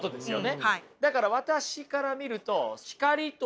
はい。